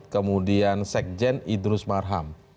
kemudian sekjen idrus marham